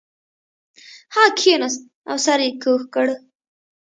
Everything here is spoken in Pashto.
هغه کښیناست او سر یې کږ کړ